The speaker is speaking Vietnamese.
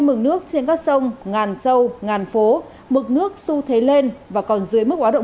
lượng nước trên các sông ngàn sâu ngàn phố mực nước su thế lên và còn dưới mức quá độ một